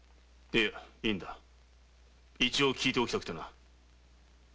いや一応聞いておきたくてな。